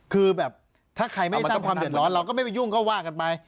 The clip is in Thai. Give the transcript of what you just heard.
คือแบบถ้าใครไม่ได้สร้างความเดือดร้อนเราก็ไม่ไปยุ่งก็ว่ากันไป